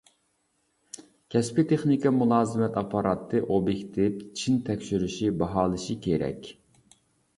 كەسپىي تېخنىكا مۇلازىمەت ئاپپاراتى ئوبيېكتىپ، چىن تەكشۈرۈشى، باھالىشى كېرەك.